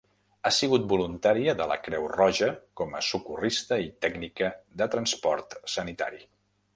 Ha sigut voluntària de la Creu Roja com a socorrista i tècnica de transport sanitari.